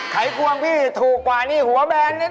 ไขควงพี่ถูกกว่านี่หัวแบนนี่